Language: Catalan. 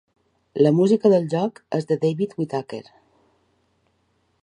La música del joc és de David Whittaker.